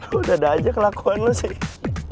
lo udah ada aja kelakuan lo sih